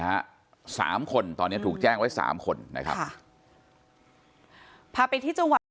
ฮะ๓คนตอนนี้ถูกแจ้งไว้๓คนนะครับพาไปที่จังหวัด